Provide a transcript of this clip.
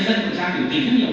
dân cũng ra biểu tình rất nhiều